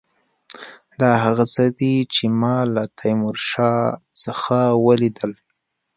دا هغه څه دي چې ما له تیمورشاه څخه ولیدل.